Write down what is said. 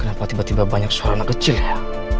kenapa tiba tiba banyak suara anak kecil ya